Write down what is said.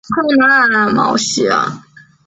并且药材专利可能伤害大众用药权利。